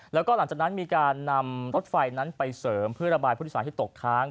แล้วก็หลังจากนั้นมีการนำรถไฟนั้นไปเสริมเพื่อระบายผู้โดยสารที่ตกค้าง